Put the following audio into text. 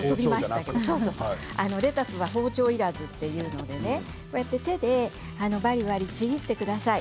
レタスは包丁いらずといって手で、ばりばりちぎってください。